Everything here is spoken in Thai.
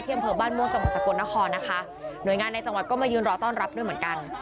อำเภอบ้านม่วงจังหวัดสกลนครนะคะหน่วยงานในจังหวัดก็มายืนรอต้อนรับด้วยเหมือนกัน